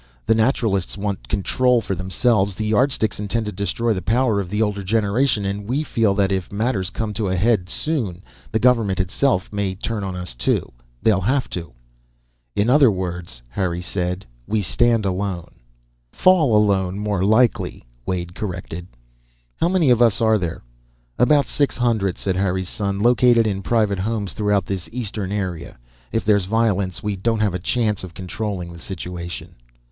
The Naturalists want control for themselves. The Yardsticks intend to destroy the power of the older generation. And we feel that if matters come to a head soon, the government itself may turn on us, too. They'll have to." "In other words," said Harry, "we stand alone." "Fall alone, more likely," Wade corrected. "How many of us are there?" "About six hundred," said Harry's son. "Located in private homes throughout this eastern area. If there's violence, we don't have a chance of controlling the situation."